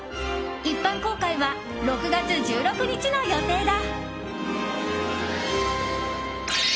一般公開は６月１６日の予定だ。